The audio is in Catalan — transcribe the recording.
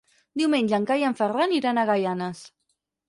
Diumenge en Cai i en Ferran iran a Gaianes.